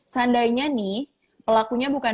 seandainya nih pelakunya bukan